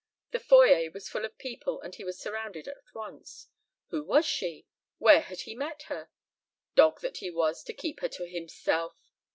The foyer was full of people and he was surrounded at once. Who was she? Where had he met her? Dog that he was to keep her to himself!